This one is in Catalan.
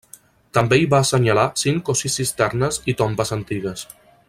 També hi va assenyalar cinc o sis cisternes i tombes antigues.